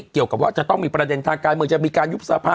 เกี่ยวกับว่าจะต้องมีประเด็นทางการเมืองจะมีการยุบสภา